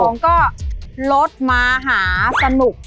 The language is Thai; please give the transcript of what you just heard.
แล้วข้อสองก็รถมะหาสนุก